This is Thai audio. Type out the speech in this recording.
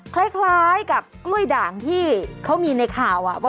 คล้ายคล้ายกับกล้วยด่างที่เขามีในข่าวอ่ะเออ